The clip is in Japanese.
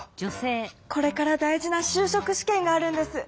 これから大事なしゅうしょく試験があるんです。